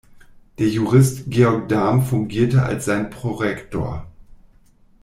Der Jurist Georg Dahm fungierte als sein Prorektor.